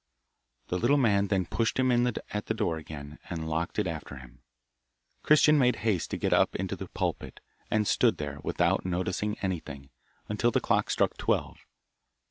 The little man then pushed him in at the door again, and locked it after him. Christian made haste to get up into the pulpit, and stood there, without noticing anything, until the clock struck twelve.